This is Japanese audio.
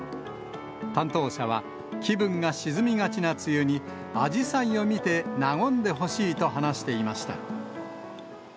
担当者は、気分が沈みがちな梅雨に、アジサイを見て和んでほしいと話していました。